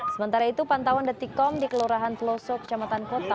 sementara itu pantauan detikkom di kelurahan teloso kecamatan kota